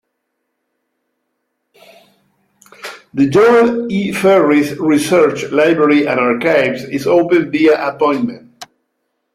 The Joel E. Ferris Research Library and Archives is open via appointment.